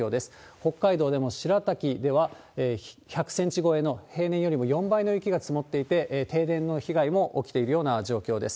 北海道でも白滝では、１００センチ超えの平年よりも４倍の雪が積もっていて、停電の被害も起きているような状況です。